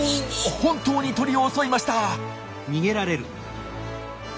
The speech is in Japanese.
本当に鳥を襲いました。